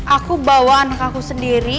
aku bawa anak aku sendiri